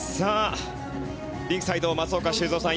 リンクサイド、松岡修造さん